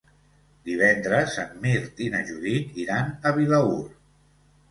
Divendres en Mirt i na Judit iran a Vilaür.